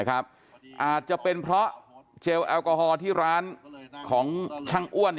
อาจจะเป็นเพราะเจลแอลกอฮอล์ที่ร้านของช่างอ้วน